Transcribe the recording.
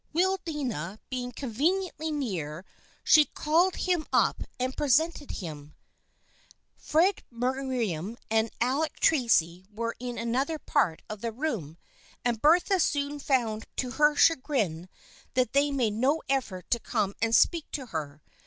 Will Dana being conveniently near, she called him up and presented him. Fred Mer riam and Alec Tracy were in another part of the room, and Bertha soon found to her chagrin that they made no effort to come and speak to her.